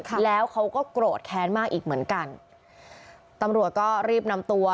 แล้วเขาก็โกรธแค้นมากอีกเหมือนกันตำรวจก็รีบนำตัว